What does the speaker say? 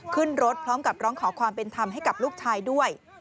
ขึ้นรถพร้อมกับร้องขอความเป็นธรรมให้กับลูกชายด้วย